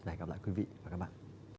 và hẹn gặp lại quý vị và các bạn